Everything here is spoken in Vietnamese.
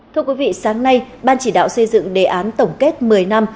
thưa quý vị sáng nay ban chỉ đạo xây dựng đề án tổng kết một mươi năm